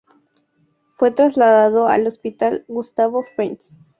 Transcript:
Fue trasladado al Hospital Gustavo Fricke.